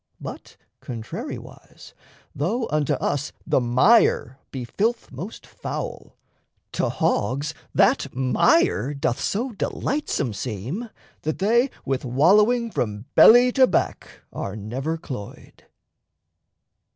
But, contrariwise, Though unto us the mire be filth most foul, To hogs that mire doth so delightsome seem That they with wallowing from belly to back Are never cloyed.